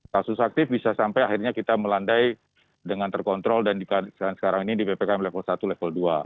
kasus aktif bisa sampai akhirnya kita melandai dengan terkontrol dan sekarang ini di ppkm level satu level dua